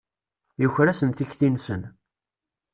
Yuker-asen tikti-nsen.